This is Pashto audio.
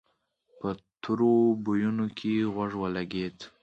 په تروو بويونو کې خوږ ولګېد.